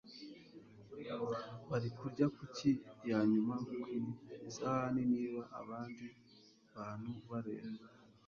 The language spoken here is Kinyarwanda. wari kurya kuki ya nyuma ku isahani niba abandi bantu bareba